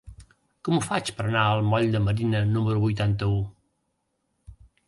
Com ho faig per anar al moll de Marina número vuitanta-u?